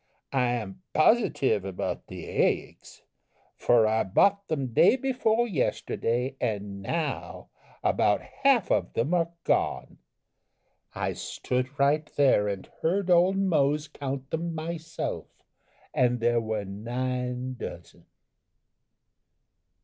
I am positive about the eggs, for I bought them day before yesterday, and now about half of them are gone. I stood right there and heard Old Mose count them myself, and there were nine dozen."